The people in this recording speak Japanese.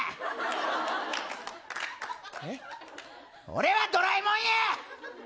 俺はドラえもんや。